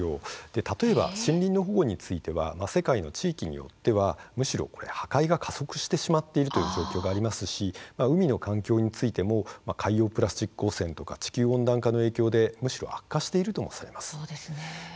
例えば森林の保護については世界の地域によってはむしろ高い破壊が加速してしまっている状況がありますし海の環境についても海洋プラスチック汚染とか地球温暖化の影響でむしろ悪化しているというところもあります。